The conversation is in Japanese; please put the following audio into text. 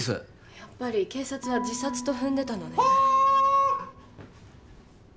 やっぱり警察は自殺と踏んでたのねファー！